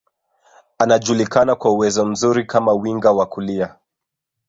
Anajulikana kwa uwezo mzuri kama winga wa kulia